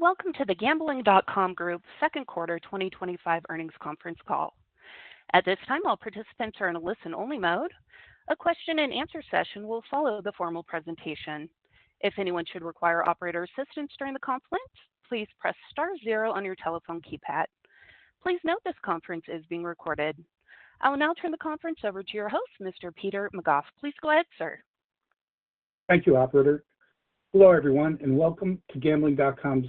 Welcome to the Gambling.com Group's Second Quarter 2025 Earnings Conference Call. At this time, all participants are in a listen-only mode. A question and answer session will follow the formal presentation. If anyone should require operator assistance during the conference, please press star zero on your telephone keypad. Please note this conference is being recorded. I will now turn the conference over to your host, Mr. Peter McGough. Please go ahead, sir. Thank you, operator. Hello everyone, and welcome to Gambling.com's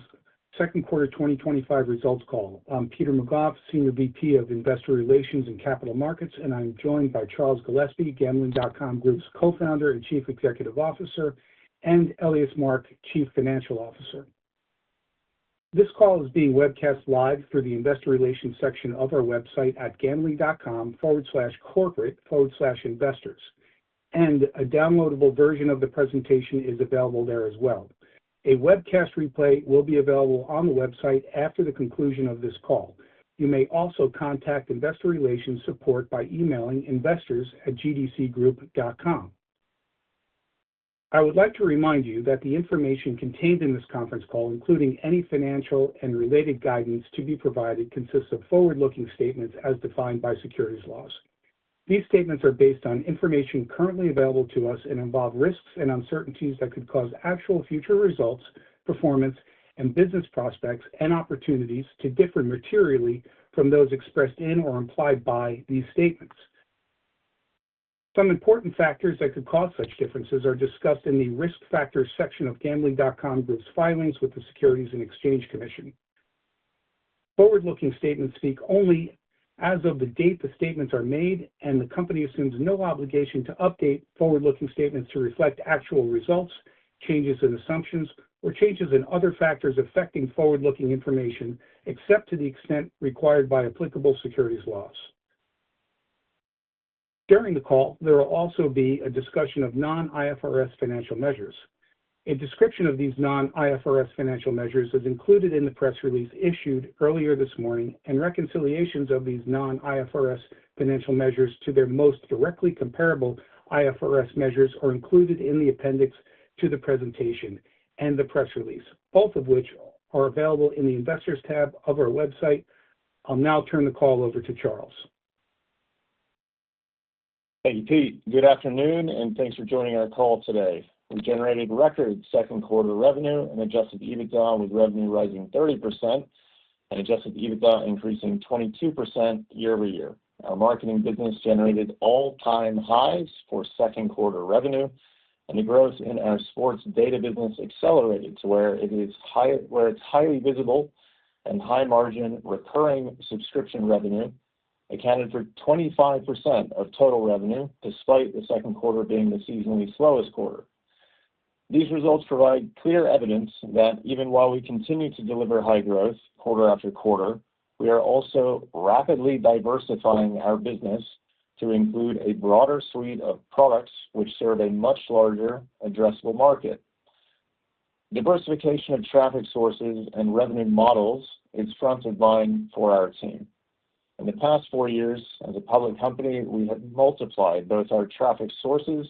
second quarter 2025 results call. I'm Peter McGough, Senior VP of Investor Relations and Capital Markets, and I'm joined by Charles Gillespie, Gambling.com Group's Co-Founder and Chief Executive Officer, and Elias Mark, Chief Financial Officer. This call is being webcast live through the Investor Relations section of our website at gambling.com/corporate/investors, and a downloadable version of the presentation is available there as well. A webcast replay will be available on the website after the conclusion of this call. You may also contact Investor Relations support by emailing investors@gdcgroup.com. I would like to remind you that the information contained in this conference call, including any financial and related guidance to be provided, consists of forward-looking statements as defined by securities laws. These statements are based on information currently available to us and involve risks and uncertainties that could cause actual future results, performance, and business prospects and opportunities to differ materially from those expressed in or implied by these statements. Some important factors that could cause such differences are discussed in the Risk Factors section of Gambling.com Group's filings with the Securities and Exchange Commission. Forward-looking statements speak only as of the date the statements are made, and the company assumes no obligation to update forward-looking statements to reflect actual results, changes in assumptions, or changes in other factors affecting forward-looking information except to the extent required by applicable securities laws. During the call, there will also be a discussion of non-IFRS financial measures. A description of these non-IFRS financial measures is included in the press release issued earlier this morning, and reconciliations of these non-IFRS financial measures to their most directly comparable IFRS measures are included in the appendix to the presentation and the press release, both of which are available in the Investors tab of our website. I'll now turn the call over to Charles. Thank you, Pete. Good afternoon, and thanks for joining our call today. We generated record second quarter revenue and adjusted EBITDA, with revenue rising 30% and adjusted EBITDA increasing 22% year-over-year. Our marketing business generated all-time highs for second quarter revenue, and the growth in our sports data business accelerated to where it is highly visible and high margin recurring subscription revenue accounted for 25% of total revenue, despite the second quarter being the seasonally slowest quarter. These results provide clear evidence that even while we continue to deliver high growth quarter after quarter, we are also rapidly diversifying our business to include a broader suite of products which serve a much larger addressable market. Diversification of traffic sources and revenue models is front of mind for our team. In the past four years, as a public company, we have multiplied both our traffic sources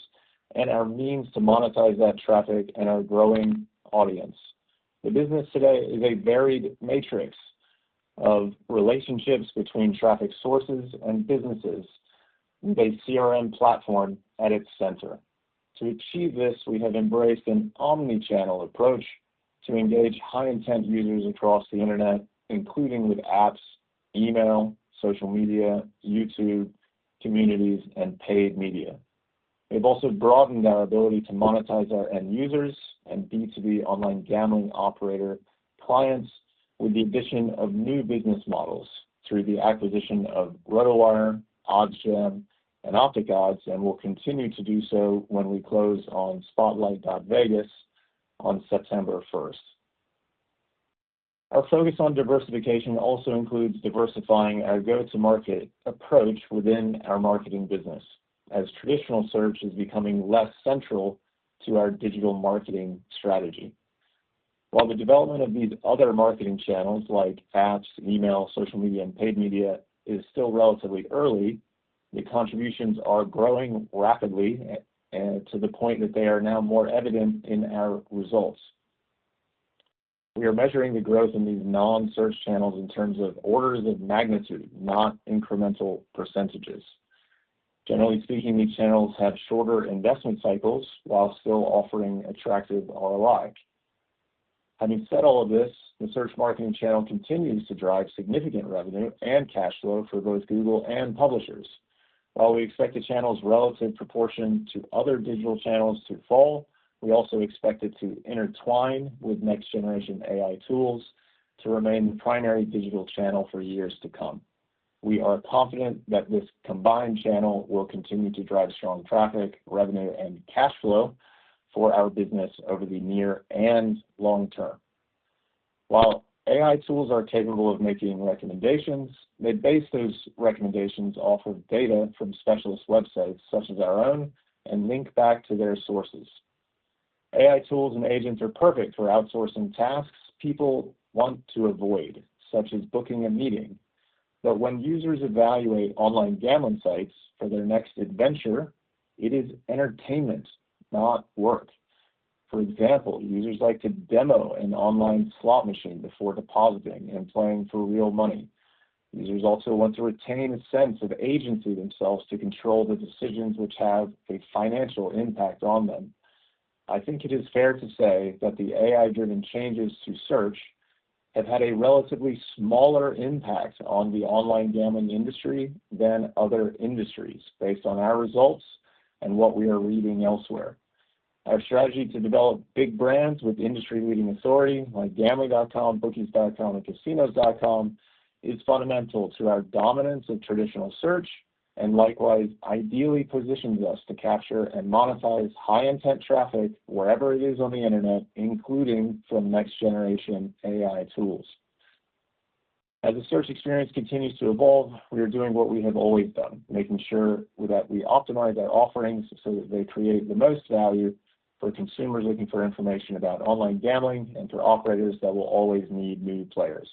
and our means to monetize that traffic and our growing audience. The business today is a varied matrix of relationships between traffic sources and businesses, with a CRM platform at its center. To achieve this, we have embraced an omnichannel approach to engage high-intent users across the internet, including with apps, email, social media, YouTube, communities, and paid media. We've also broadened our ability to monetize our end users and B2B online gambling operator clients with the addition of new business models through the acquisition of RotoWire, OddsJam, and OpticOdds, and will continue to do so when we close on Spotlight.Vegas on September 1st. Our focus on diversification also includes diversifying our go-to-market approach within our marketing business, as traditional search is becoming less central to our digital marketing strategy. While the development of these other marketing channels like apps, email, social media, and paid media is still relatively early, the contributions are growing rapidly to the point that they are now more evident in our results. We are measuring the growth in these non-search channels in terms of orders of magnitude, not incremental percentages. Generally speaking, these channels have shorter investment cycles while still offering attractive ROI. Having said all of this, the search marketing channel continues to drive significant revenue and cash flow for both Google and publishers. While we expect the channel's relative proportion to other digital channels to fall, we also expect it to intertwine with next-generation AI tools to remain the primary digital channel for years to come. We are confident that this combined channel will continue to drive strong traffic, revenue, and cash flow for our business over the near and long term. While AI tools are capable of making recommendations, they base those recommendations off of data from specialist websites such as our own and link back to their sources. AI tools and agents are perfect for outsourcing tasks people want to avoid, such as booking a meeting. When users evaluate online gambling sites for their next adventure, it is entertainment, not work. For example, users like to demo an online slot machine before depositing and playing for real money. Users also want to retain a sense of agency themselves to control the decisions which have a financial impact on them. I think it is fair to say that the AI-driven changes to search have had a relatively smaller impact on the online gambling industry than other industries based on our results and what we are reading elsewhere. Our strategy to develop big brands with industry-leading authority like Gambling.com, Bookies.com, and Casinos.com is fundamental to our dominance of traditional search and likewise ideally positions us to capture and monetize high-intent traffic wherever it is on the internet, including from next-generation AI tools. As the search experience continues to evolve, we are doing what we have always done, making sure that we optimize our offerings so that they create the most value for consumers looking for information about online gambling and for operators that will always need new players.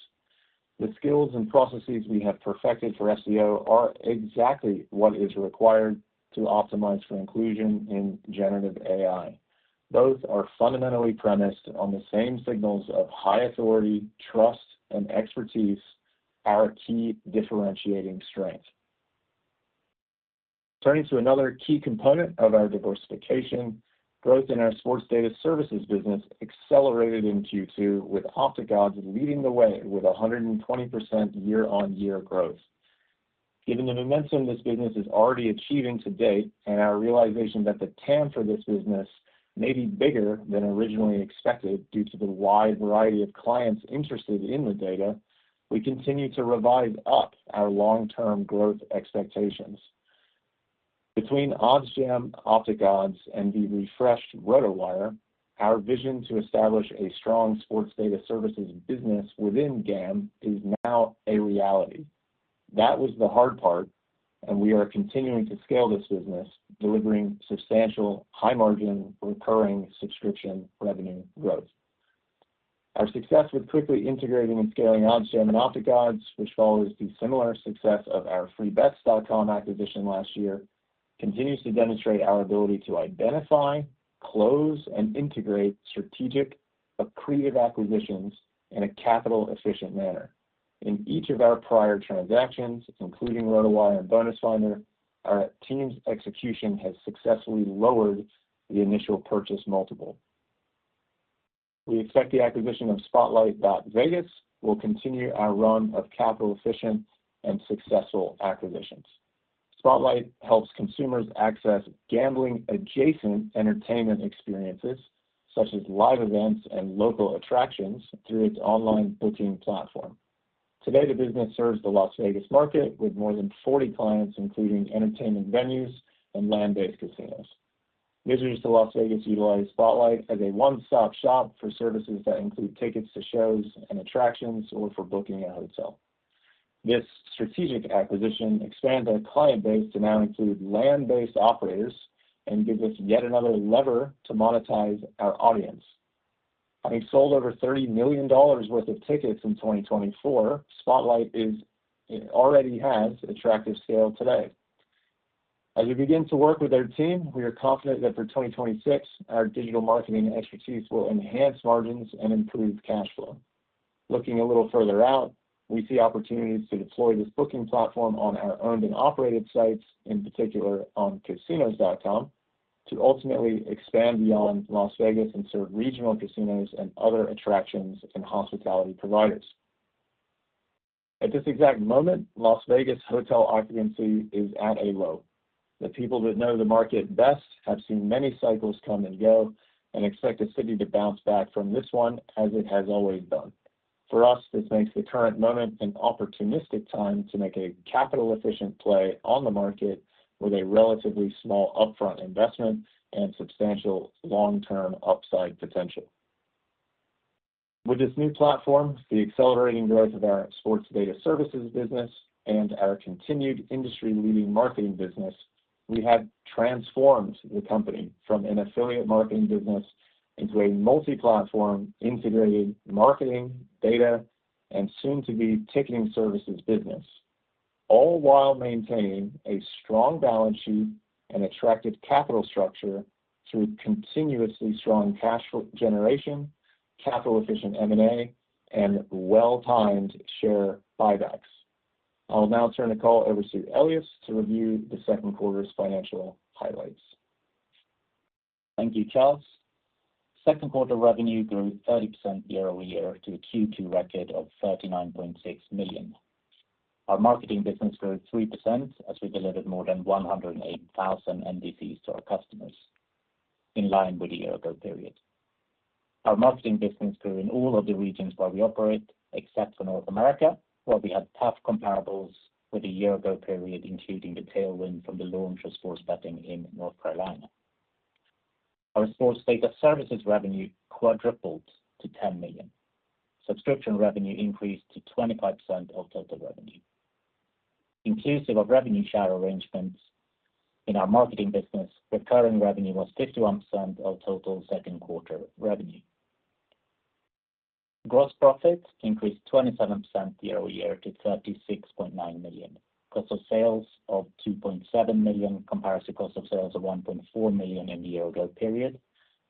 The skills and processes we have perfected for SEO are exactly what is required to optimize for inclusion in generative AI. Both are fundamentally premised on the same signals of high authority, trust, and expertise, our key differentiating strength. Turning to another key component of our diversification, growth in our sports data services business accelerated in Q2, with OpticOdds leading the way with 120% year-on-year growth. Given the momentum this business is already achieving to date and our realization that the TAM for this business may be bigger than originally expected due to the wide variety of clients interested in the data, we continue to revise up our long-term growth expectations. Between OddsJam, OpticOdds, and the refreshed RotoWire, our vision to establish a strong sports data services business within Gamb is now a reality. That was the hard part, and we are continuing to scale this business, delivering substantial high-margin recurring subscription revenue growth. Our success with quickly integrating and scaling OddsJam and OpticOdds, which follows the similar success of our Freebets.com acquisition last year, continues to demonstrate our ability to identify, close, and integrate strategic acquisitions in a capital-efficient manner. In each of our prior transactions, including RotoWire and BonusFinder, our team's execution has successfully lowered the initial purchase multiple. We expect the acquisition of Spotlight.Vegas will continue our run of capital-efficient and successful acquisitions. Spotlight helps consumers access gambling-adjacent entertainment experiences such as live events and local attractions through its online booking platform. Today, the business serves the Las Vegas market with more than 40 clients, including entertainment venues and land-based casinos. Visitors to Las Vegas utilize Spotlight as a one-stop-shop for services that include tickets to shows and attractions or for booking a hotel. This strategic acquisition expands our client base to now include land-based operators and gives us yet another lever to monetize our audience. Having sold over $30 million worth of tickets in 2024, Spotlight already has attractive scale today. As we begin to work with our team, we are confident that for 2026, our digital marketing expertise will enhance margins and improve cash flow. Looking a little further out, we see opportunities to deploy this booking platform on our earned and operated sites, in particular on Casinos.com, to ultimately expand beyond Las Vegas and serve regional casinos and other attractions and hospitality providers. At this exact moment, Las Vegas hotel occupancy is at a low. The people that know the market best have seen many cycles come and go and expect the city to bounce back from this one, as it has always done. For us, this makes the current moment an opportunistic time to make a capital-efficient play on the market with a relatively small upfront investment and substantial long-term upside potential. With this new platform, the accelerating growth of our sports data services business, and our continued industry-leading marketing business, we have transformed the company from an affiliate marketing business into a multi-platform integrated marketing data and soon-to-be ticketing services business, all while maintaining a strong balance sheet and attractive capital structure through continuously strong cash generation, capital-efficient M&A, and well-timed share buybacks. I'll now turn the call over to Elias to review the second quarter's financial highlights. Thank you, Charles. Second quarter revenue grew 30% year-over-year to a Q2 record of $39.6 million. Our marketing business grew 3% as we delivered more than 108,000 MDCs to our customers in line with the year-ago period. Our marketing business grew in all of the regions where we operate, except for North America, where we had tough comparables with the year-ago period, including the tailwind from the launch of sports betting in North Carolina. Our sports data services revenue quadrupled to $10 million. Subscription revenue increased to 25% of total revenue. Inclusive of revenue share arrangements in our marketing business, recurring revenue was 51% of total second quarter revenue. Gross profit increased 27% year-over-year to $36.9 million. Cost of sales of $2.7 million compares to cost of sales of $1.4 million in the year-ago period,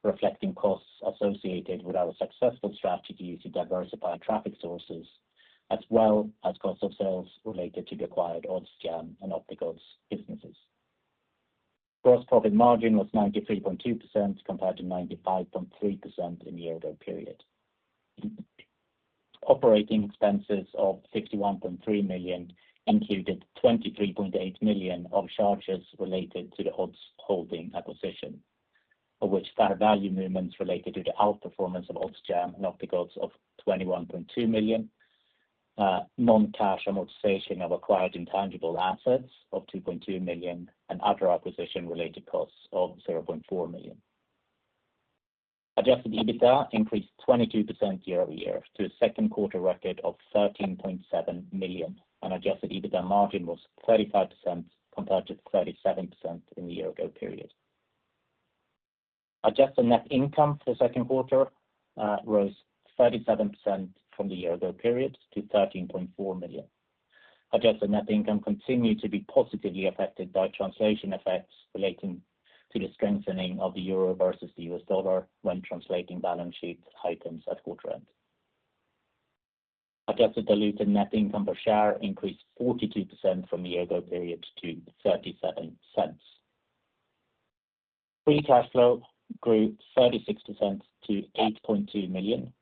reflecting costs associated with our successful strategy to diversify traffic sources, as well as cost of sales related to the acquired OddsJam and OpticOdds businesses. Gross profit margin was 93.2% compared to 95.3% in the year-ago period. Operating expenses of $51.3 million included $23.8 million of charges related to the Odds Holding acquisition, of which fair value movements related to the outperformance of OddsJam and OpticOdds of $21.2 million, non-cash amortization of acquired intangible assets of $2.2 million, and other acquisition-related costs of $0.4 million. Adjusted EBITDA increased 22% year-over-year to a second quarter record of $13.7 million, and adjusted EBITDA margin was 35% compared to 37% in the year-ago period. Adjusted net income for the second quarter rose 37% from the year-ago period to $13.4 million. Adjusted net income continued to be positively affected by translation effects relating to the strengthening of the euro versus the U.S. dollar when translating balance sheet items at quarter end. Adjusted diluted net income per share increased 42% from the year-ago period to $0.37. Free cash flow grew 36% to $8.2 million,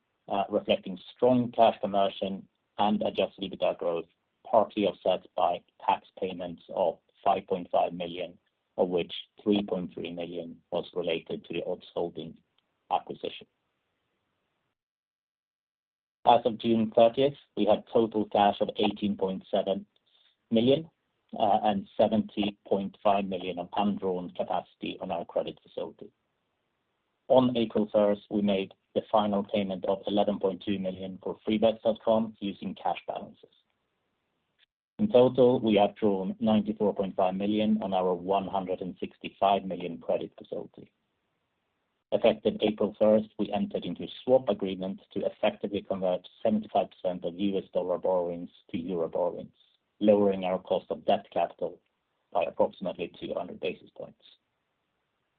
reflecting strong cash conversion and adjusted EBITDA growth, partly offset by tax payments of $5.5 million, of which $3.3 million was related to the Odds Holding acquisition. As of June 30th, we had total cash of $18.7 million and $70.5 million on undrawn capacity on our credit facility. On April 1st, we made the final payment of $11.2 million for Freebets.com using cash balances. In total, we have drawn $94.5 million on our $165 million credit facility. Effective April 1st, we entered into a swap agreement to effectively convert 75% of U.S. dollar borrowings to euro borrowings, lowering our cost of debt capital by approximately 200 basis points.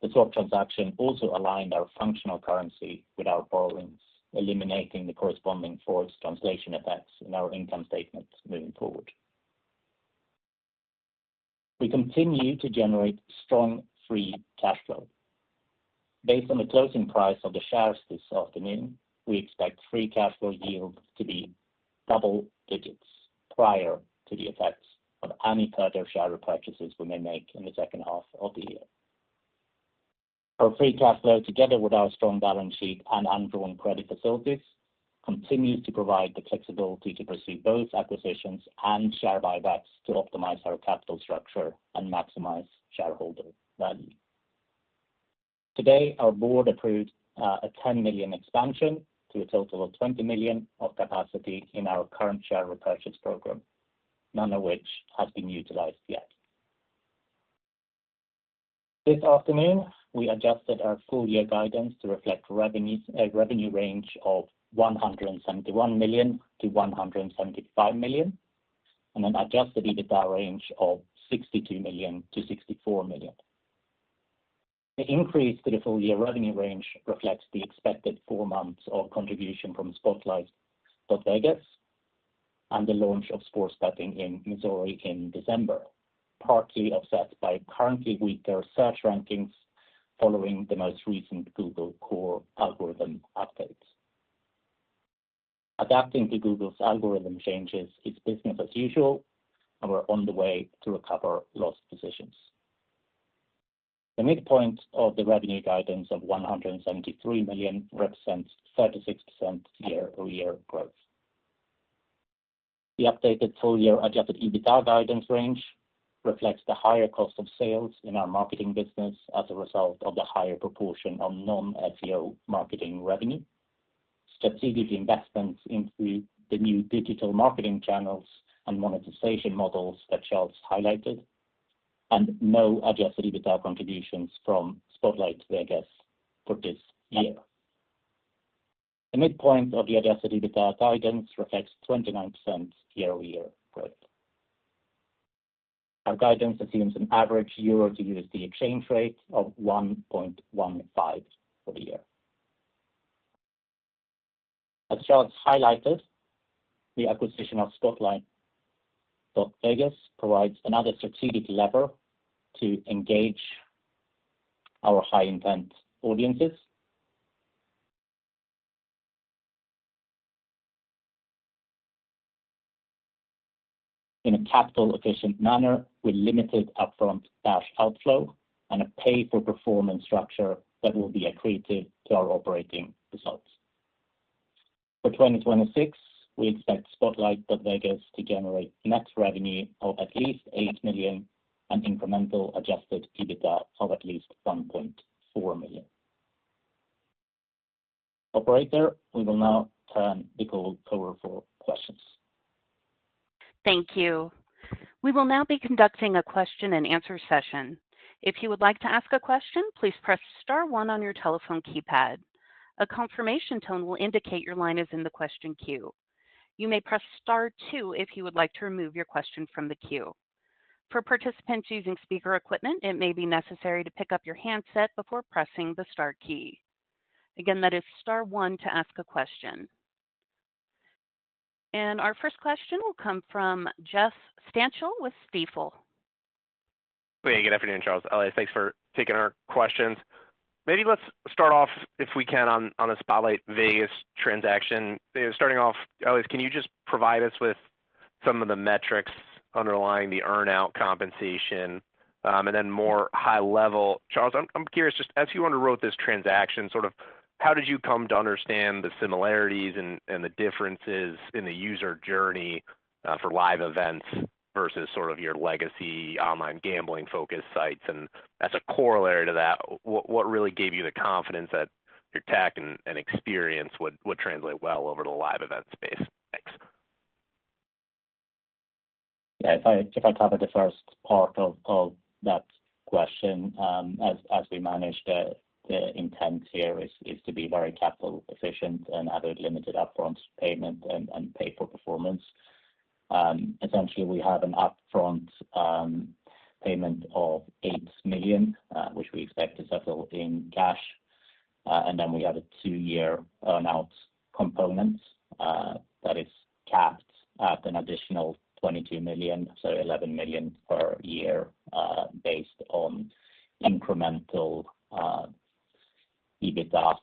The swap transaction also aligned our functional currency with our borrowings, eliminating the corresponding forced translation effects in our income statement moving forward. We continue to generate strong free cash flow. Based on the closing price of the shares this afternoon, we expect free cash flow yields to be double digits prior to the effects of any further share purchases we may make in the second half of the year. Our free cash flow, together with our strong balance sheet and undrawn credit facilities, continues to provide the flexibility to pursue both acquisitions and share buybacks to optimize our capital structure and maximize shareholder value. Today, our board approved a $10 million expansion to a total of $20 million of capacity in our current share repurchase program, none of which has been utilized yet. This afternoon, we adjusted our full-year guidance to reflect a revenue range of $171 million-$175 million and an adjusted EBITDA range of $62 million-$64 million. The increase to the full-year revenue range reflects the expected four months of contribution from Spotlight.Vegas and the launch of sports betting in Missouri in December, partly offset by currently weaker search rankings following the most recent Google core algorithm updates. Adapting to Google's algorithm changes is business as usual, and we're on the way to recover lost positions. The midpoint of the revenue guidance of $173 million represents 36% year-over-year growth. The updated full-year adjusted EBITDA guidance range reflects the higher cost of sales in our marketing business as a result of the higher proportion of non-SEO marketing revenue, specific investments into the new digital marketing channels and monetization models that Charles highlighted, and no adjusted EBITDA contributions from Spotlight.Vegas for this year. The midpoint of the adjusted EBITDA guidance reflects 29% year-over-year growth. Our guidance assumes an average euro to USD exchange rate of 1.15 for the year. As Charles highlighted, the acquisition of Spotlight.Vegas provides another strategic lever to engage our high-intent audiences in a capital-efficient manner with limited upfront cash outflow and a pay-for-performance structure that will be accretive to our operating results. For 2026, we expect Spotlight.Vegas to generate net revenue of at least $8 million and incremental adjusted EBITDA of at least $1.4 million. Operator, we will now turn the call over for questions. Thank you. We will now be conducting a question and answer session. If you would like to ask a question, please press star one on your telephone keypad. A confirmation tone will indicate your line is in the question queue. You may press star two if you would like to remove your question from the queue. For participants using speaker equipment, it may be necessary to pick up your handset before pressing the star key. Again, that is star one to ask a question. Our first question will come from Jeff Stantial with Stifel. Hey, good afternoon, Charles. Elias, thanks for taking our questions. Maybe let's start off, if we can, on the Spotlight.Vegas transaction. Starting off, Elias, can you just provide us with some of the metrics underlying the earnout compensation, and then more high level, Charles, I'm curious, just as you underwrote this transaction, sort of how did you come to understand the similarities and the differences in the user journey for live events versus sort of your legacy online gambling focus sites? As a corollary to that, what really gave you the confidence that your tech and experience would translate well over to the live event space? Yeah, I think I'll take the first part of that question. As we manage the intent here, it's to be very capital-efficient and add a limited upfront payment and pay for performance. Essentially, we have an upfront payment of $8 million, which we expect to settle in cash. We have a two-year earnout component that is capped at an additional $22 million, so $11 million per year, based on incremental EBITDA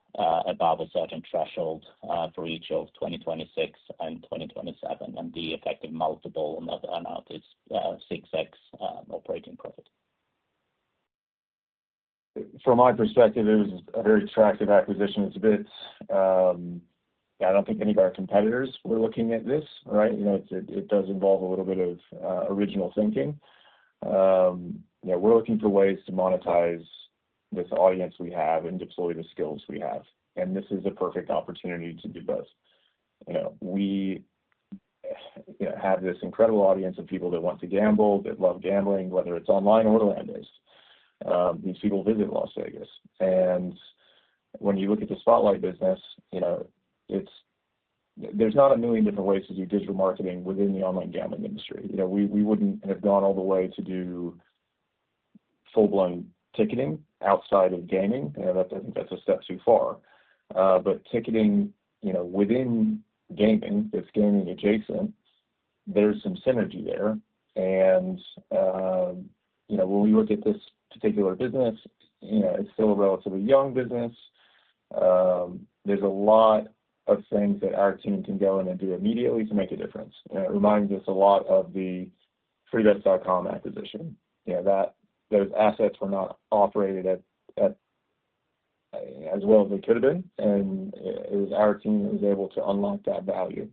above a certain threshold for each of 2026 and 2027 and the affected multiple, and that is 6x operating profit. From my perspective, it was a very attractive acquisition. It's a bit, yeah, I don't think any of our competitors were looking at this, right? It does involve a little bit of original thinking. We're looking for ways to monetize this audience we have and deploy the skills we have. This is a perfect opportunity to do both. We have this incredible audience of people that want to gamble, that love gambling, whether it's online or land-based. These people visit Las Vegas. When you look at the Spotlight business, there's not a million different ways to do digital marketing within the online gambling industry. We wouldn't have gone all the way to do full-blown ticketing outside of gaming. I think that's a step too far. Ticketing within gambling, that's gambling adjacent, there's some synergy there. When we look at this particular business, it's still a relatively young business. There's a lot of things that our team can go in and do immediately to make a difference. It reminds us a lot of the Freebets.com acquisition. Those assets were not operated as well as they could have been. It was our team that was able to unlock that value.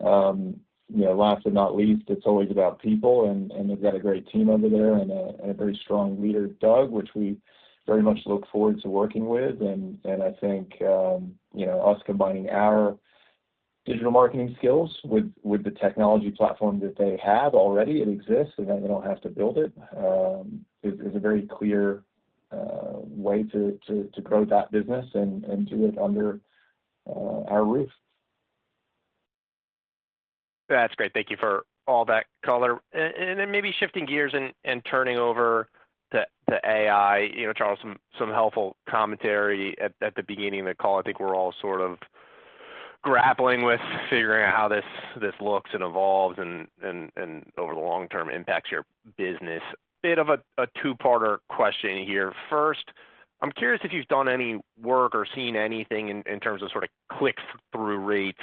Last but not least, it's always about people. We've got a great team over there and a very strong leader, Doug, which we very much look forward to working with. I think us combining our digital marketing skills with the technology platform that they have already, it exists, and then they don't have to build it. It's a very clear way to grow that business and do it under our roof. That's great. Thank you for all that color. Maybe shifting gears and turning over to AI, you know, Charles, some helpful commentary at the beginning of the call. I think we're all sort of grappling with figuring out how this looks and evolves and over the long term impacts your business. Bit of a two-parter question here. First, I'm curious if you've done any work or seen anything in terms of sort of clicks through rates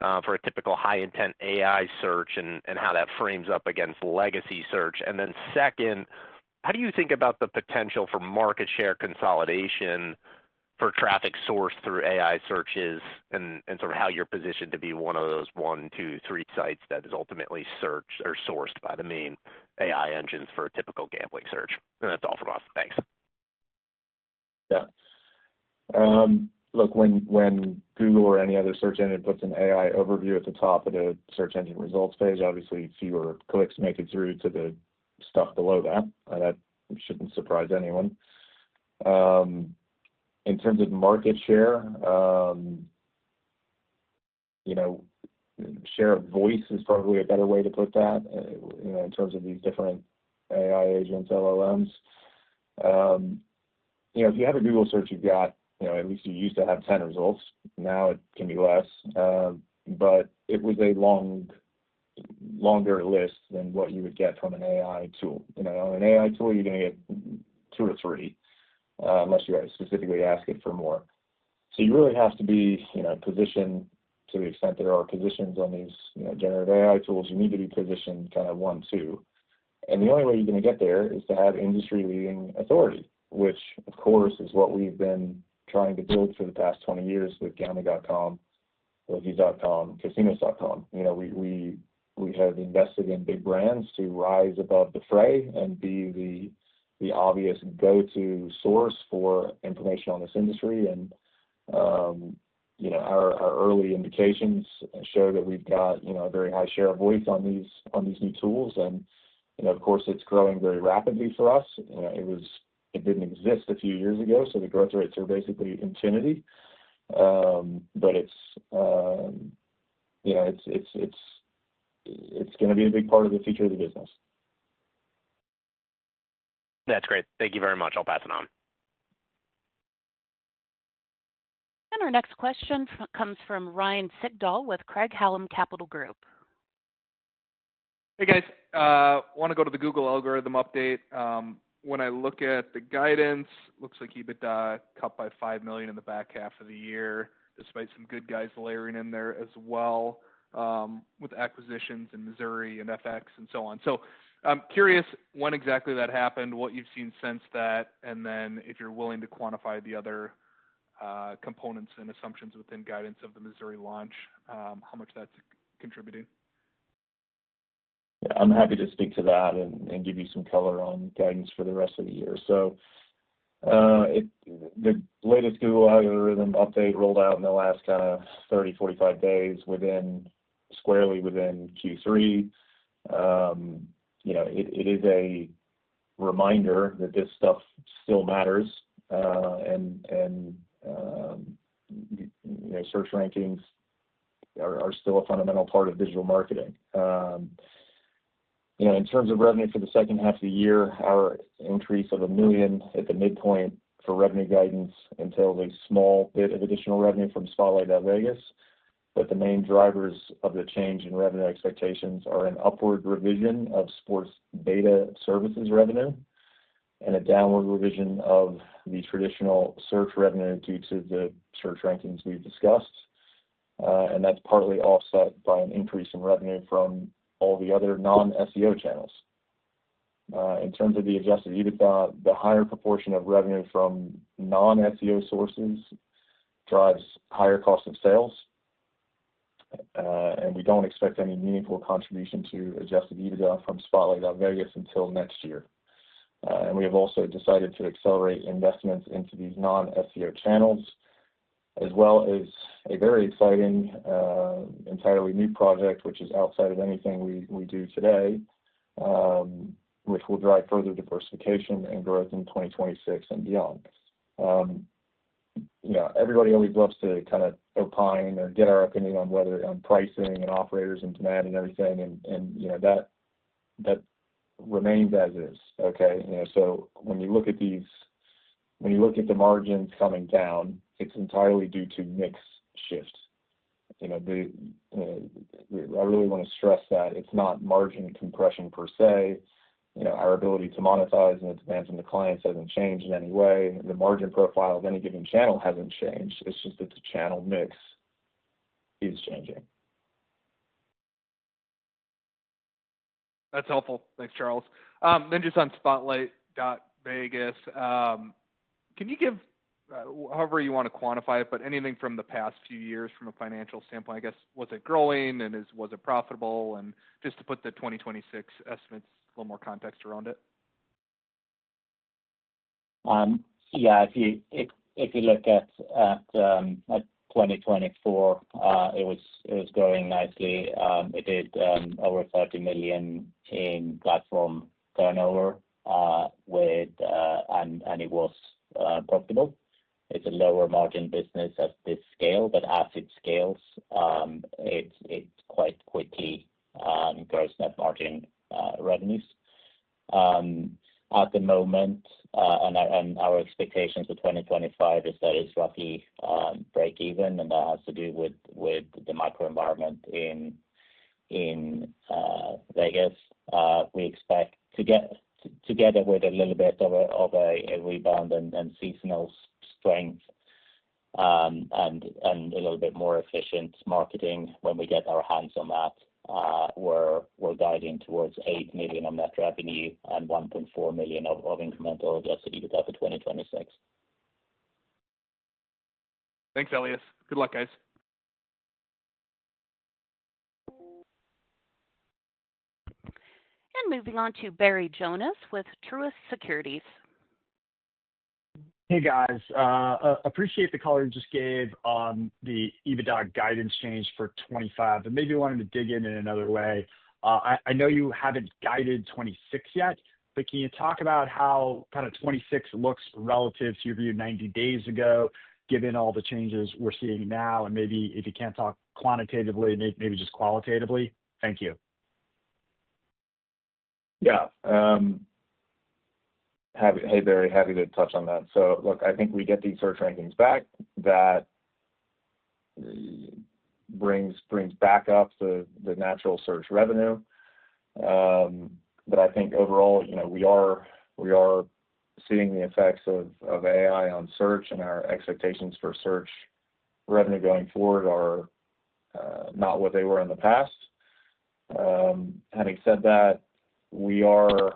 for a typical high-intent AI search and how that frames up against legacy search. Second, how do you think about the potential for market share consolidation for traffic sourced through AI searches and sort of how you're positioned to be one of those one, two, three sites that is ultimately searched or sourced by the main AI engines for a typical gambling search? That's all from us. Thanks. Yeah. Look, when Google or any other search engine puts an AI overview at the top of the search engine results page, obviously fewer clicks make it through to the stuff below that. That shouldn't surprise anyone. In terms of market share, share of voice is probably a better way to put that. In terms of these different AI agents, LLMs, if you have a Google search, you've got, at least you used to have, 10 results. Now it can be less. It was a longer list than what you would get from an AI tool. On an AI tool, you're going to get two or three unless you specifically ask it for more. You really have to be positioned to the extent that there are positions on these generative AI tools. You need to be positioned kind of one, two. The only way you're going to get there is to have industry-leading authority, which of course is what we've been trying to build for the past 20 years with Gambling.com, Bookies.com, Casinos.com. We have invested in big brands to rise above the fray and be the obvious go-to source for information on this industry. Our early indications show that we've got a very high share of voice on these new tools. Of course, it's growing very rapidly for us. It didn't exist a few years ago, so the growth rates are basically infinity. It's going to be a big part of the future of the business. That's great. Thank you very much. I'll pass it on. Our next question comes from Ryan Sigdahl with Craig-Hallum Capital Group. Hey, guys. I want to go to the Google algorithm update. When I look at the guidance, it looks like EBITDA cut by $5 million in the back half of the year, despite some good guys layering in there as well with acquisitions in Missouri and FX and so on. I'm curious when exactly that happened, what you've seen since that, and if you're willing to quantify the other components and assumptions within guidance of the Missouri launch, how much that's contributing. I'm happy to speak to that and give you some color on guidance for the rest of the year. The latest Google algorithm update rolled out in the last kind of 30, 45 days, squarely within Q3. It is a reminder that this stuff still matters, and search rankings are still a fundamental part of digital marketing. In terms of revenue for the second half of the year, our increase of $1 million at the midpoint for revenue guidance includes a small bit of additional revenue from Spotlight.Vegas, but the main drivers of the change in revenue expectations are an upward revision of sports data services revenue and a downward revision of the traditional search revenue due to the search rankings we've discussed. That is partly offset by an increase in revenue from all the other non-SEO channels. In terms of the adjusted EBITDA, the higher proportion of revenue from non-SEO sources drives higher cost of sales. We don't expect any meaningful contribution to adjusted EBITDA from Spotlight.Vegas until next year. We have also decided to accelerate investments into these non-SEO channels, as well as a very exciting, entirely new project, which is outside of anything we do today, which will drive further diversification and growth in 2026 and beyond. Everybody always loves to kind of opine or get our opinion on pricing and operators and demand and everything, and that remains as is. When you look at the margins coming down, it's entirely due to mix shifts. I really want to stress that it's not margin compression per se. Our ability to monetize and the demands of the clients haven't changed in any way, and the margin profile of any given channel hasn't changed. It's just that the channel mix is changing. That's helpful. Thanks, Charles. Just on Spotlight.Vegas, can you give, however you want to quantify it, anything from the past few years from a financial standpoint? I guess, was it growing and was it profitable? Just to put the 2026 estimates, a little more context around it. Yeah. If you look at 2024, it was growing nicely. It did over $30 million in platform turnover, and it was profitable. It's a lower margin business at this scale, but as it scales, it quite quickly grows net margin revenues. At the moment, our expectations for 2025 is that it's roughly break-even, and that has to do with the microenvironment in Las Vegas. We expect to get together with a little bit of a rebound and seasonal strength and a little bit more efficient marketing when we get our hands on that. We're diving towards $8 million of net revenue and $1.4 million of incremental adjusted EBITDA for 2026. Thanks, Elias. Good luck, guys. Moving on to Barry Jonas with Truist Securities. Hey, guys. Appreciate the call you just gave on the EBITDA guidance change for 2025, but maybe you wanted to dig in in another way. I know you haven't guided 2026 yet, but can you talk about how kind of 2026 looks relative to your view 90 days ago, given all the changes we're seeing now? If you can't talk quantitatively, maybe just qualitatively. Thank you. Yeah. Hey, Barry. Happy to touch on that. Look, I think we get these search rankings back. That brings back up the natural search revenue. I think overall, you know, we are seeing the effects of AI on search, and our expectations for search revenue going forward are not what they were in the past. Having said that, we are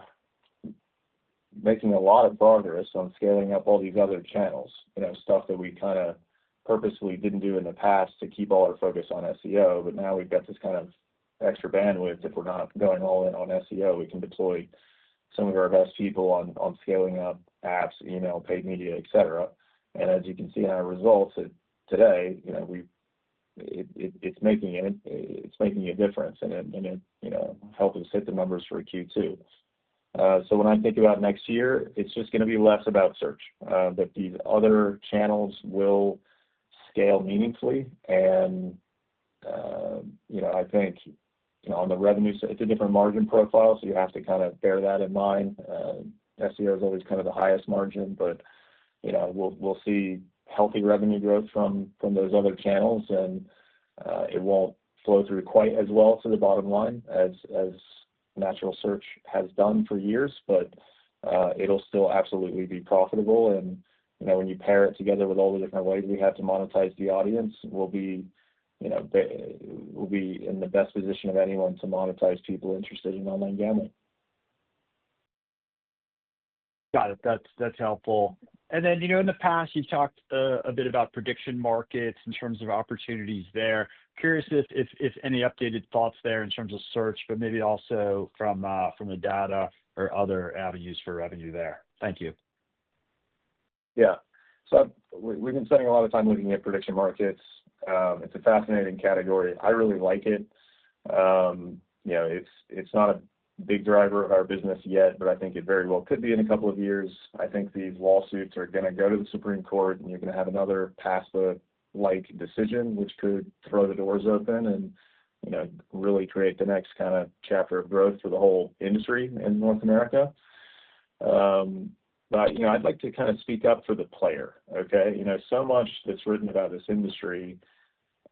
making a lot of progress on scaling up all these other channels, you know, stuff that we kind of purposefully didn't do in the past to keep all our focus on SEO. Now we've got this kind of extra bandwidth. If we're not going all in on SEO, we can deploy some of our best people on scaling up apps, email, paid media, etc. As you can see in our results today, you know, it's making a difference, and it, you know, helped us hit the numbers for Q2. When I think about next year, it's just going to be less about search, that these other channels will scale meaningfully. You know, I think, you know, on the revenue side, it's a different margin profile, so you have to kind of bear that in mind. SEO is always kind of the highest margin, but you know, we'll see healthy revenue growth from those other channels, and it won't flow through quite as well through the bottom line as natural search has done for years, but it'll still absolutely be profitable. You know, when you pair it together with all the different ways we have to monetize the audience, we'll be, you know, we'll be in the best position of anyone to monetize people interested in online gambling. Got it. That's helpful. In the past, you've talked a bit about prediction markets in terms of opportunities there. Curious if any updated thoughts there in terms of search, but maybe also from the data or other avenues for revenue there. Thank you. Yeah. We've been spending a lot of time looking at prediction markets. It's a fascinating category. I really like it. It's not a big driver of our business yet, but I think it very well could be in a couple of years. I think these lawsuits are going to go to the Supreme Court, and you're going to have another PASPA-like decision, which could throw the doors open and really create the next kind of chapter of growth for the whole industry in North America. I'd like to kind of speak up for the player. So much that's written about this industry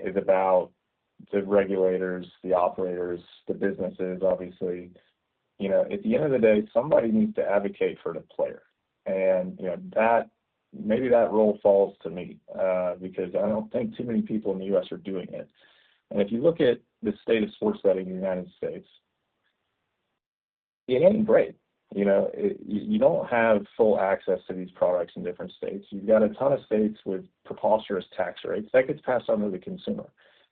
is about the regulators, the operators, the businesses, obviously. At the end of the day, somebody needs to advocate for the player. Maybe that role falls to me because I don't think too many people in the U.S. are doing it. If you look at the state of sports betting in the United States, it ain't great. You don't have full access to these products in different states. You've got a ton of states with preposterous tax rates that get passed on to the consumer.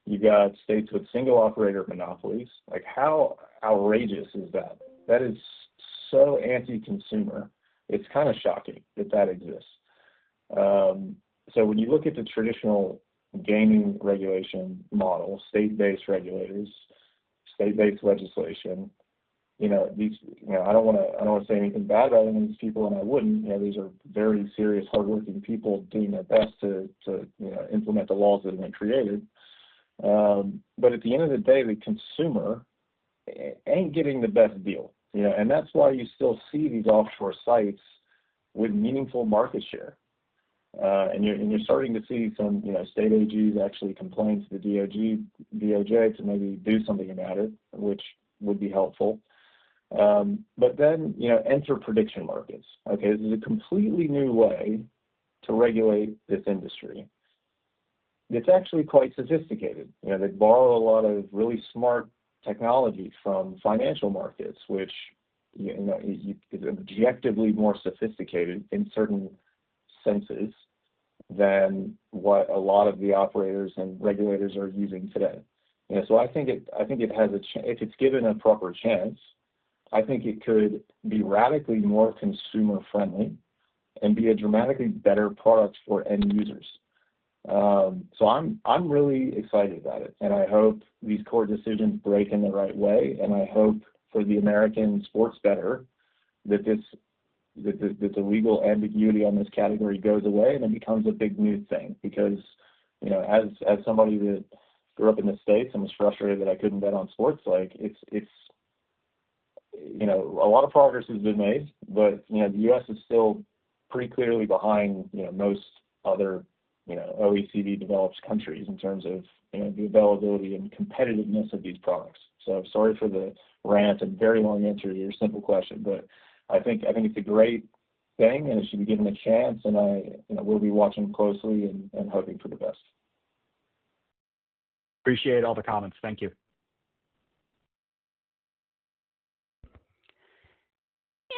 You've got states with single operator monopolies. Like, how outrageous is that? That is so anti-consumer. It's kind of shocking that that exists. When you look at the traditional gaming regulation model, state-based regulators, state-based legislation, I don't want to say anything bad relevant to these people, and I wouldn't. These are very serious, hardworking people doing their best to implement the laws that have been created. At the end of the day, the consumer ain't getting the best deal. That's why you still see these offshore sites with meaningful market share. You're starting to see some state AGs actually complain to the DOJ to maybe do something about it, which would be helpful. Enter prediction markets. This is a completely new way to regulate this industry. It's actually quite sophisticated. They borrow a lot of really smart technology from financial markets, which is objectively more sophisticated in certain senses than what a lot of the operators and regulators are using today. I think it has a chance. If it's given a proper chance, I think it could be radically more consumer-friendly and be a dramatically better product for end users. I'm really excited about it. I hope these court decisions break in the right way. I hope for the American sports bettor that the legal ambiguity on this category goes away and it becomes a big new thing because, you know, as somebody that grew up in the states and was frustrated that I couldn't bet on sports, a lot of progress has been made, but the U.S. is still pretty clearly behind most other OECD-developed countries in terms of the availability and competitiveness of these products. I'm sorry for the rant and very long answer to your simple question, but I think it's a great thing and it should be given a chance. I will be watching closely and hoping for the best. Appreciate all the comments. Thank you.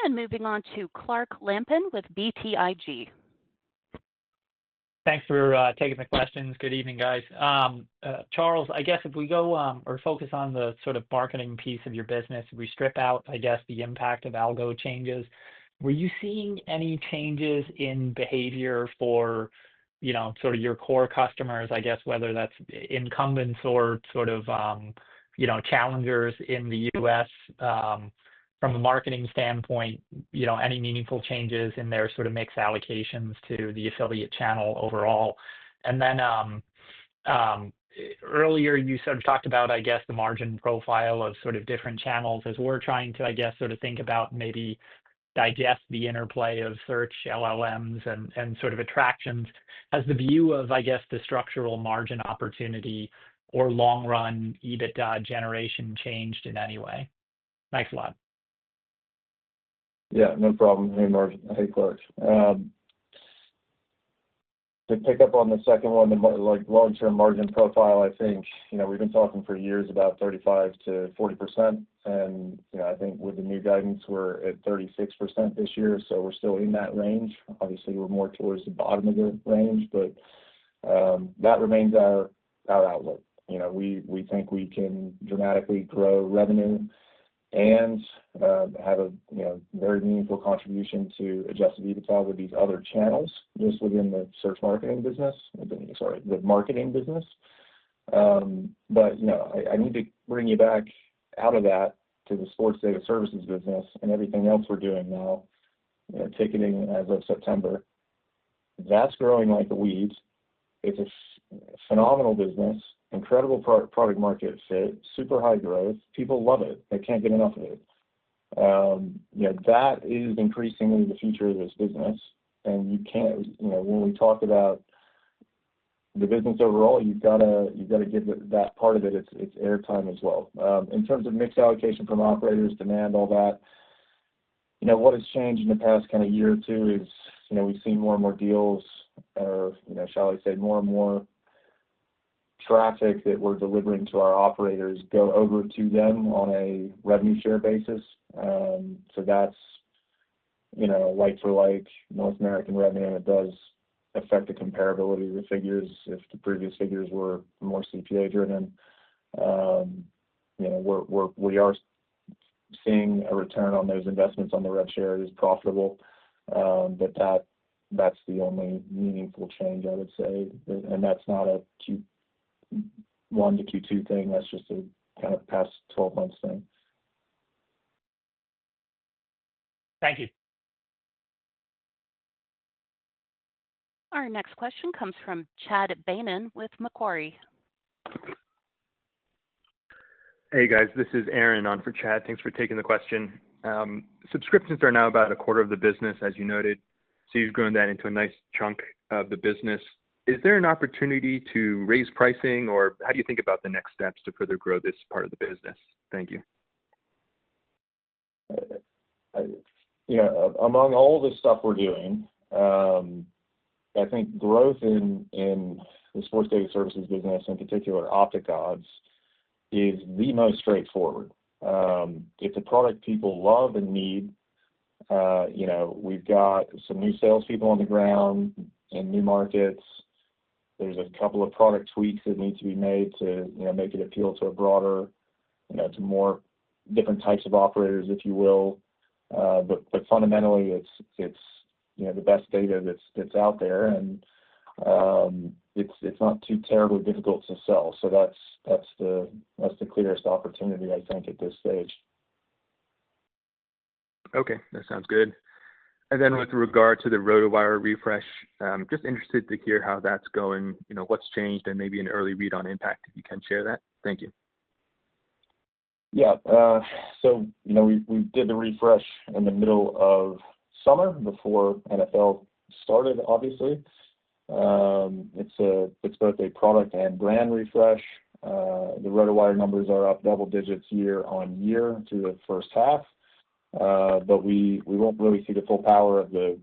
Moving on to Clark Lampen with BTIG. Thanks for taking the questions. Good evening, guys. Charles, I guess if we focus on the sort of marketing piece of your business, if we strip out the impact of algorithm updates, were you seeing any changes in behavior for your core customers, whether that's incumbents or challengers in the U.S. from a marketing standpoint? Any meaningful changes in their mix allocations to the affiliate channel overall? Earlier, you talked about the margin profile of different channels as we're trying to think about and maybe digest the interplay of search LLMs and attractions. Has the view of the structural margin opportunity or long-run EBITDA generation changed in any way? Thanks a lot. Yeah, no problem. Hey, Clark. To pick up on the second one, the long-term margin profile, I think we've been talking for years about 35%-40%. With the new guidance, we're at 36% this year. We're still in that range. Obviously, we're more towards the bottom of the range, but that remains our outlook. We think we can dramatically grow revenue and have a very meaningful contribution to adjusted EBITDA with these other channels just within the search marketing business. Sorry, the marketing business. I need to bring you back out of that to the sports data services business and everything else we're doing now. Ticketing as of September, that's growing like the weeds. It's a phenomenal business, incredible product-market fit, super high growth. People love it. They can't get enough of it. That is increasingly the future of this business. You can't, when we talk about the business overall, you've got to give that part of it its airtime as well. In terms of mix allocation from operators, demand, all that, what has changed in the past kind of year or two is we've seen more and more deals, or shall I say more and more traffic that we're delivering to our operators go over to them on a revenue share basis. For like North American revenue, it does affect the comparability of the figures if the previous figures were more CPA-driven. We are seeing a return on those investments on the revenue share is profitable. That's the only meaningful change, I would say. That's not a Q1-Q2 thing. That's just a kind of past 12 months thing. Thank you. Our next question comes from Chad Beynon with Macquarie. Hey, guys. This is Aaron on for Chad. Thanks for taking the question. Subscriptions are now about a quarter of the business, as you noted. You have grown that into a nice chunk of the business. Is there an opportunity to raise pricing, or how do you think about the next steps to further grow this part of the business? Thank you. Yeah. Among all the stuff we're doing, I think growth in the sports data services business, in particular, OpticOdds, is the most straightforward. It's a product people love and need. We've got some new salespeople on the ground in new markets. There's a couple of product tweaks that need to be made to make it appeal to a broader, to more different types of operators, if you will. Fundamentally, it's the best data that's out there, and it's not too terribly difficult to sell. That's the clearest opportunity, I think, at this stage. Okay. That sounds good. With regard to the RotoWire refresh, I'm just interested to hear how that's going, what's changed, and maybe an early read on impact. If you can share that. Thank you. Yeah. We did the refresh in the middle of summer before NFL started, obviously. It's a big birthday product and brand refresh. The RotoWire numbers are up double digits year on year through the first half. We won't really see the full power of the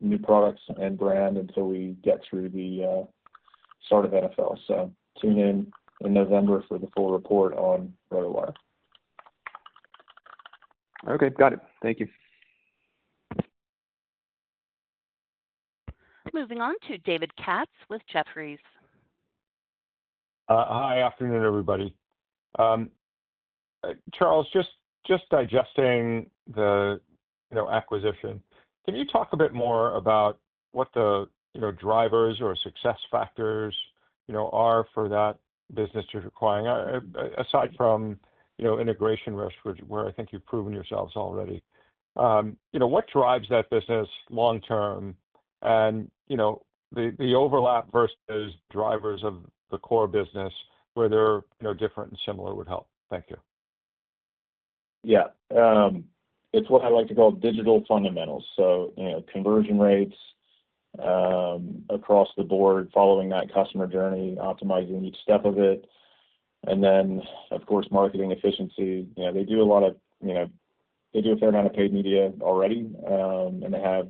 new products and brand until we get through the start of NFL. Tune in in November for the full report on RotoWire. Okay. Got it. Thank you. Moving on to David Katz with Jefferies. Hi. Afternoon, everybody. Charles, just digesting the acquisition. Can you talk a bit more about what the drivers or success factors are for that business you're acquiring, aside from integration risk, which I think you've proven yourselves already? What drives that business long term and the overlap versus drivers of the core business where they're different and similar would help. Thank you. Yeah. It's what I like to call digital fundamentals. Conversion rates across the board, following that customer journey, optimizing each step of it. Of course, marketing efficiency. They do a lot of, you know, they do a fair amount of paid media already, and they have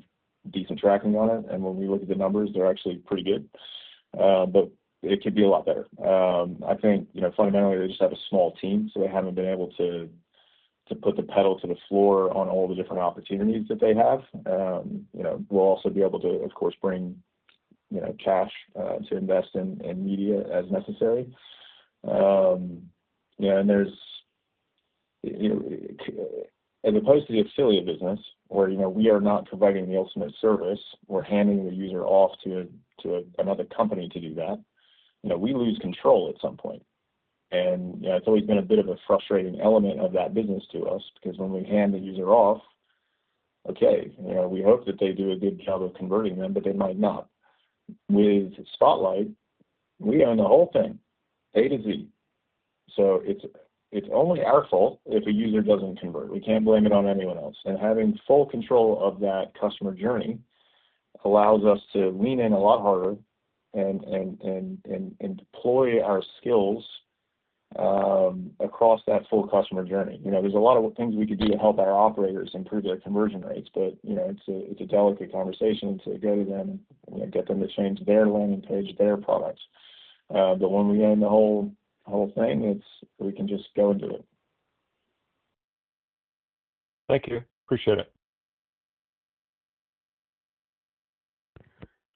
decent tracking on it. When we look at the numbers, they're actually pretty good, but it could be a lot better. I think fundamentally, they just have a small team, so they haven't been able to put the pedal to the floor on all the different opportunities that they have. We'll also be able to, of course, bring cash to invest in media as necessary. As opposed to the auxiliary business where we are not providing the ultimate service, we're handing the user off to another company to do that. We lose control at some point. It's always been a bit of a frustrating element of that business to us because when we hand the user off, we hope that they do a good job of converting them, but they might not. With Spotlight, we own the whole thing, A to Z. It's only our fault if a user doesn't convert. We can't blame it on anyone else. Having full control of that customer journey allows us to lean in a lot harder and deploy our skills across that full customer journey. There are a lot of things we could do to help our operators improve their conversion rates, but it's a delicate conversation to go to them and get them to change their landing page, their products. When we own the whole thing, we can just go and do it. Thank you. Appreciate it.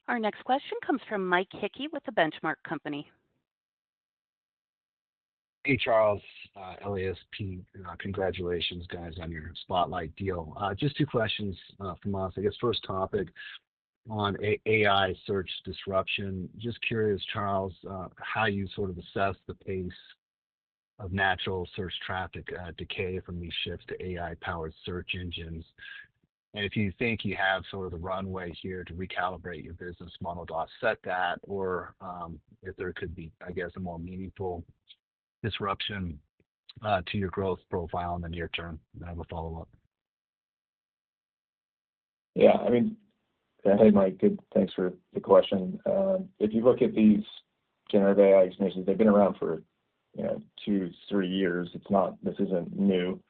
Our next question comes from Mike Hickey with the Benchmark Company. Hey, Charles, Elias, congratulations, guys, on your Spotlight deal. Just two questions from us. I guess first topic on AI search disruption. Just curious, Charles, how you sort of assess the pace of natural search traffic decay from these shifts to AI-powered search engines, and if you think you have sort of the runway here to recalibrate your business model to offset that, or if there could be, I guess, a more meaningful disruption to your growth profile in the near term. I have a follow-up. Yeah. I mean, hey, Mike, good, thanks for the question. If you look at these generative AI expansions, they've been around for, you know, two, three years. It's not, this isn't new.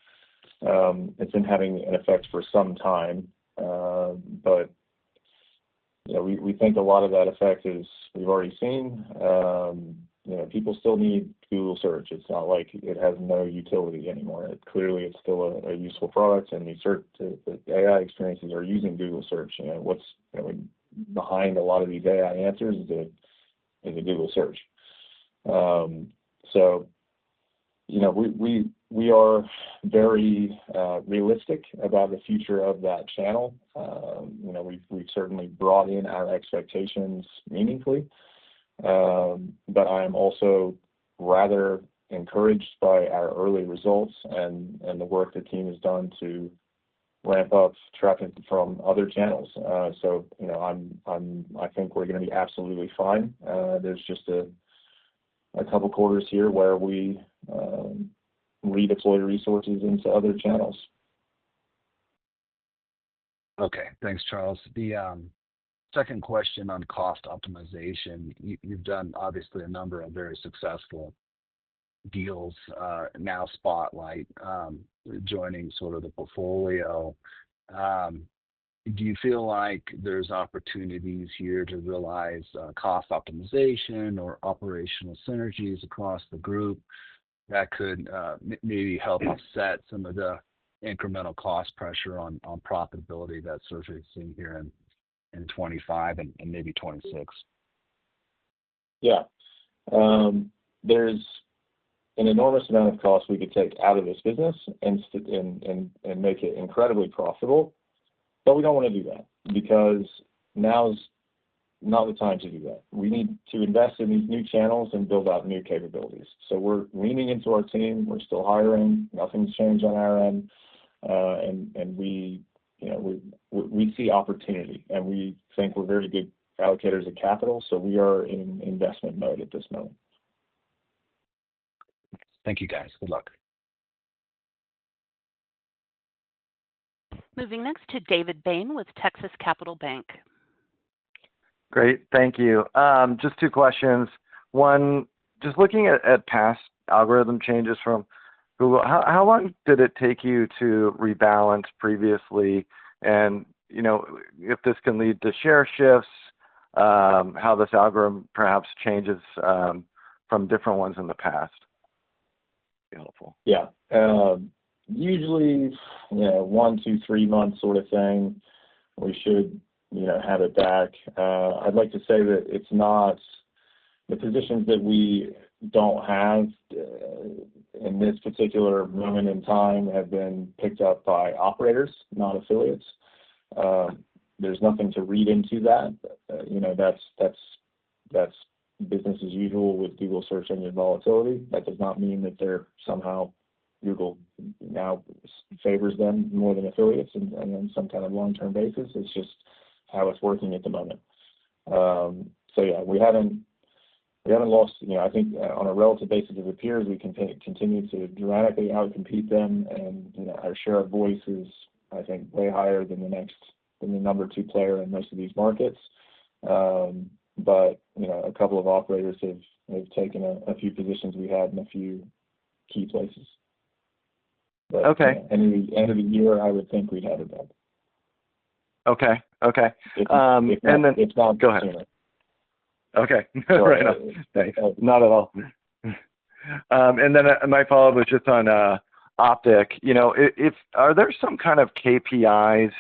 It's been having an effect for some time. We think a lot of that effect is we've already seen. People still need Google Search. It's not like it has no utility anymore. Clearly, it's still a useful product. These AI experiences are using Google Search. What's behind a lot of these AI answers is a Google Search. We are very realistic about the future of that channel. We've certainly brought in our expectations meaningfully. I am also rather encouraged by our early results and the work the team has done to ramp up tracking from other channels. I think we're going to be absolutely fine. There's just a couple of quarters here where we redeploy resources into other channels. Okay. Thanks, Charles. The second question on cost optimization. You've done, obviously, a number of very successful deals, now Spotlight joining sort of the portfolio. Do you feel like there's opportunities here to realize cost optimization or operational synergies across the group that could maybe help offset some of the incremental cost pressure on profitability that is surfacing here in 2025 and maybe 2026? Yeah. There's an enormous amount of cost we could take out of this business and make it incredibly profitable. We don't want to do that because now's not the time to do that. We need to invest in these new channels and build out new capabilities. We're leaning into our team. We're still hiring. Nothing's changed on our end. We see opportunity, and we think we're very good allocators of capital. We are in investment mode at this moment. Thank you, guys. Good luck. Moving next to David Bain with Texas Capital Bank. Great. Thank you. Just two questions. One, just looking at past algorithm updates from Google, how long did it take you to rebalance previously? If this can lead to share shifts, how this algorithm perhaps changes from different ones in the past, it'd be helpful. Yeah. Usually, you know, one, two, three months sort of thing, we should, you know, have it back. I'd like to say that it's not the positions that we don't have in this particular moment in time have been picked up by operators, not affiliates. There's nothing to read into that. You know, that's business as usual with Google Search and its volatility. That does not mean that they're somehow Google now favors them more than affiliates on some kind of long-term basis. It's just how it's working at the moment. We haven't lost, you know, I think on a relative basis of appearance, we can continue to dramatically outcompete them. Our share of voice is, I think, way higher than the next number two player in most of these markets. You know, a couple of operators have taken a few positions we had in a few key places. At the end of the year, I would think we'd have it back. Okay. And then. It's not. Go ahead. Okay. Sorry, not at all. My follow-up is just on Optic. Are there some kind of KPIs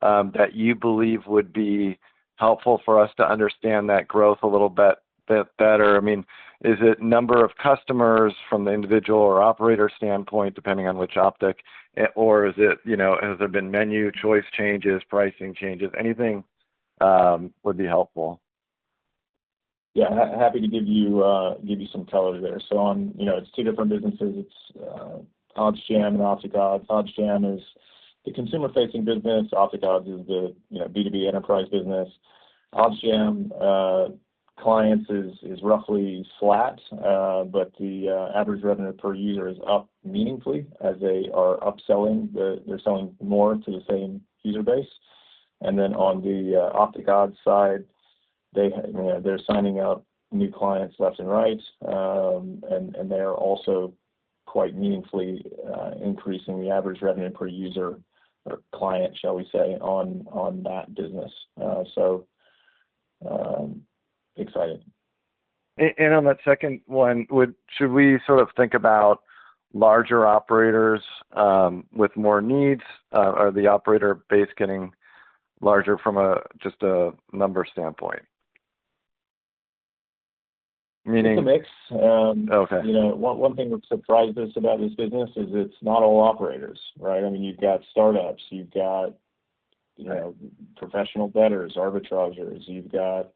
that you believe would be helpful for us to understand that growth a little bit better? I mean, is it number of customers from the individual or operator standpoint, depending on which Optic, or is it, you know, has there been menu choice changes, pricing changes? Anything would be helpful. Yeah. Happy to give you some color there. On, you know, it's two different businesses. It's OddsJam and OpticOdds. OddsJam is the consumer-facing business. OpticOdds is the B2B enterprise business. OddsJam clients are roughly flat, but the average revenue per user is up meaningfully as they are upselling. They're selling more to the same user base. On the OpticOdds side, they're signing up new clients left and right. They are also quite meaningfully increasing the average revenue per user or client, shall we say, on that business. Excited. On that second one, should we sort of think about larger operators with more needs? Are the operator base getting larger from just a number standpoint? It's a mix. One thing that surprised us about this business is it's not all operators, right? I mean, you've got startups, professional bettors, arbitragers,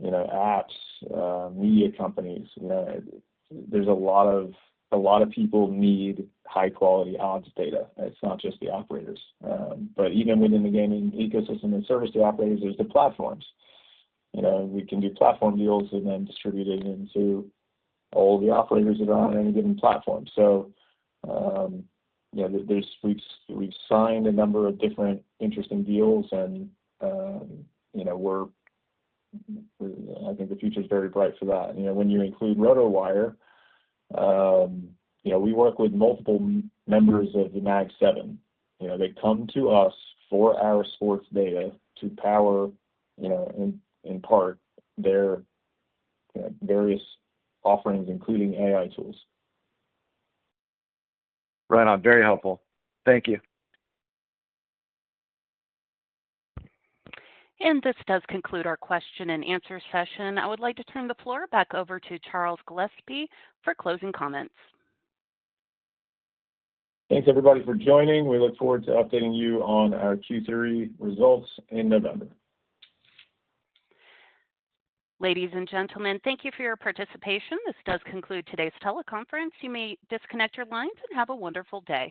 apps, media companies. There's a lot of people who need high-quality odds data. It's not just the operators. Even within the gaming ecosystem, the service to operators is the platforms. We can do platform deals and then distribute it into all the operators that are on any given platform. We've signed a number of different interesting deals, and I think the future is very bright for that. When you include RotoWire, we work with multiple members of the Mag7. They come to us for our sports data to power, in part, their various offerings, including AI tools. Right on. Very helpful. Thank you. This does conclude our question and answer session. I would like to turn the floor back over to Charles Gillespie for closing comments. Thanks, everybody, for joining. We look forward to updating you on our Q3 results in November. Ladies and gentlemen, thank you for your participation. This does conclude today's teleconference. You may disconnect your lines and have a wonderful day.